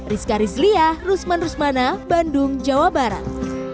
rizka rizlia rusman rusmana bandung jawa barat